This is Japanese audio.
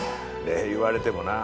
礼言われてもな。